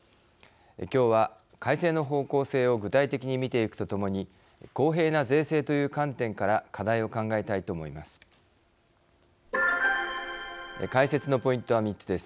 今日は改正の方向性を具体的に見ていくとともに公平な税制という観点から課題を考えたいと思います。